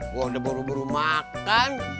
wah udah buru buru makan